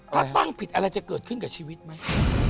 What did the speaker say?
ถ้าตั้งผิดอะไรจะเกิดขึ้นกับชีวิตไหม